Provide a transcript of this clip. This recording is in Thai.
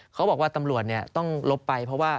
เขาบอกว่าตำรวจต้องลบไปเพราะว่า